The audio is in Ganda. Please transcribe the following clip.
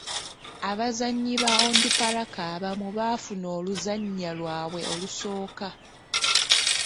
Abazannyi ba Onduparaka abamu baafuna oluzannya lwabwe olusooka.